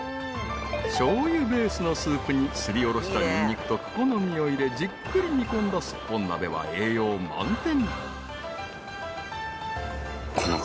［しょうゆベースのスープにすりおろしたにんにくとクコの実を入れじっくり煮込んだすっぽん鍋は栄養満点］